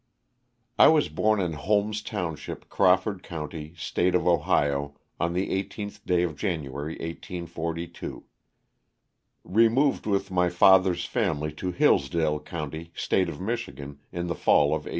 T WAS born in Holmes township, Crawford county, *^ State of Ohio, on the 18th day of January, 1842. Removed with my father's family to Hillsdale county, State of Michigan, in the fall of 1854.